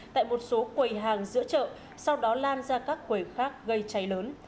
tại một số quầy hàng giữa chợ sau đó lan ra các quầy khác gây cháy lớn